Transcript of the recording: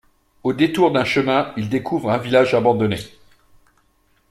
Au détour d'un chemin ils découvrent un village abandonné.